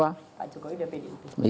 pak jokowi udah pdp